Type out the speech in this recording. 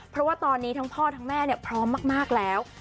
เพราะว่าตอนนี้ทั้งพ่อทั้งแม่พร้อมมากแล้ว